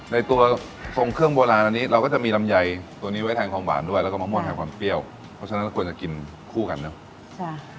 ในตัวทรงเครื่องโบราณอันนี้เราก็จะมีลำไยตัวนี้ไว้แทนความหวานด้วยแล้วก็มะม่วงแทนความเปรี้ยวเพราะฉะนั้นเราควรจะกินคู่กันเนอะ